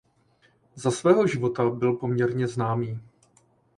Za svého života byl poměrně známý.